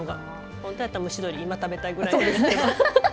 本当やったら蒸し鶏今食べたいぐらいですけど。